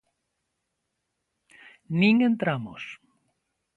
Nin entramos.